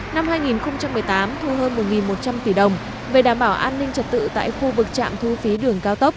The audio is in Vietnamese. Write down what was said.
năm hai nghìn một mươi tám thu hơn một một trăm linh tỷ đồng về đảm bảo an ninh trật tự tại khu vực trạm thu phí đường cao tốc